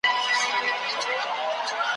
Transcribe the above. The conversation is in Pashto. یوه ورځ وو پیر بازار ته راوتلی ,